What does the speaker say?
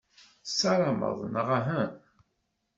Tessarameḍ, neɣ uhu?